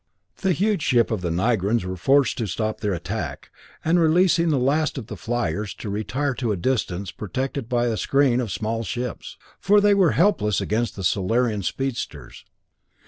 The huge ships of the Nigrans were forced to stop their attack, and releasing the last of the fliers, to retire to a distance, protected by a screen of small ships, for they were helpless against the Solarian speedsters.